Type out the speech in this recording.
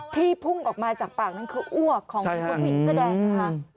พุ่งออกมาจากปากนั้นคืออ้วกของผู้หญิงเสื้อแดงนะคะ